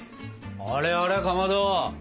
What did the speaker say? あれあれかまど！